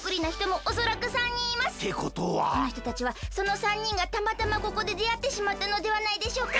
このひとたちはその３にんがたまたまここでであってしまったのではないでしょうか？